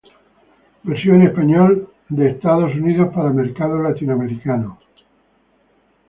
Versión en español de Estados Unidos para mercado latinoamericano